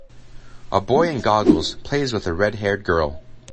A boy in goggles plays with a readhaired girl.